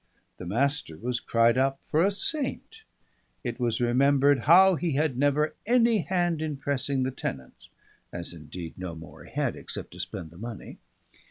The Master was cried up for a saint. It was remembered how he had never any hand in pressing the tenants; as, indeed, no more he had, except to spend the money.